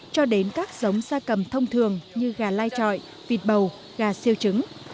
cho đến các giống gia cầm thông thường như gà lai trọi vịt bầu gà siêu trứng